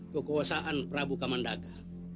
kekuasaan prabu kamandaka